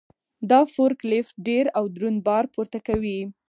دا فورک لیفټ ډېر او دروند بار پورته کوي.